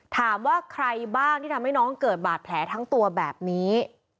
ถามว่าใครบ้างที่ทำให้น้องเกิดบาดแผลทั้งตัวแบบนี้